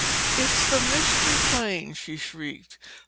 "It's the Mystery Plane!" she shrieked.